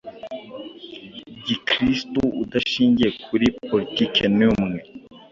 gikristu udashingiye kuri politike numwe